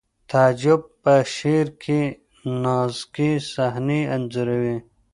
تعجب په شعر کې نازکې صحنې انځوروي